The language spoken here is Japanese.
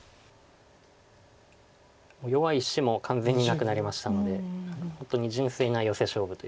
弱い石も完全になくなりましたので本当に純粋なヨセ勝負という感じ。